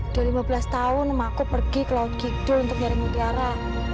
sudah lima belas tahun emakku pergi ke laut gikdul untuk nyari mutiara